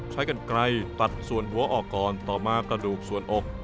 ใช้กันไกลตัดส่วนหัวออกก่อนต่อมากระดูกส่วนอก